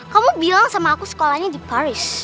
kamu bilang sama aku sekolahnya di paris